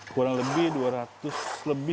kurang lebih dua ratus lebih